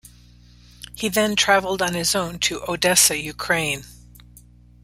He then travelled on his own to Odessa, Ukraine.